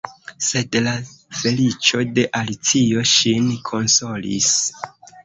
Sed la feliĉo de Alico ŝin konsolis.